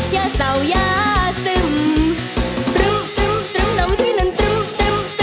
ย่าสาวยาซึม